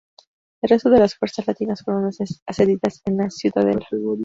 El resto de las fuerzas latinas fueron asediadas en la ciudadela.